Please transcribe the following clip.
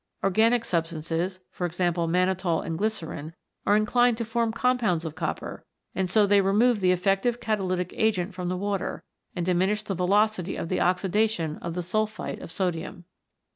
Organic substances, for example mannitol and glycerin, are inclined to form compounds of copper and so they remove the effective catalytic agent from the water, and diminish the velocity of the oxidation of the sulphite of sodium.